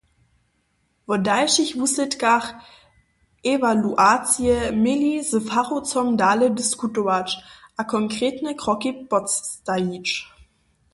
Wo dalšich wuslědkach ewaluacije měli z fachowcami dale diskutować a konkretne kroki postajić.